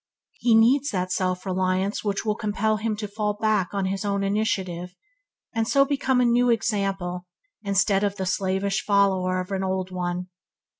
He needs that self reliance which will compel him to fall back on his own initiative, and so become a new example instead of the slavish follower of an old one.